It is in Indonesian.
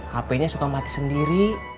hpnya suka mati sendiri